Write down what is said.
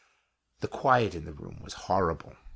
The quiet in the room was horrible.